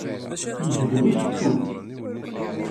Yegdel ukeččum!